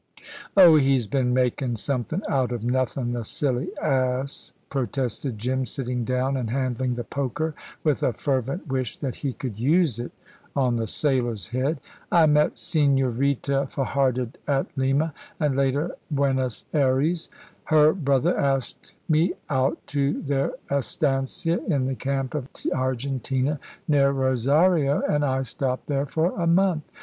"Oh, he's been makin' somethin' out of nothin', the silly ass," protested Jim, sitting down and handling the poker with a fervent wish that he could use it on the sailor's head. "I met Señorita Fajardo at Lima, and later at Buenos Ayres. Her brother asked me out to their estancia in the camp of Argentina, near Rosario, and I stopped there for a month.